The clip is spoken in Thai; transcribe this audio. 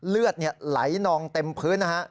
เลือดไหลนองเต็มพื้น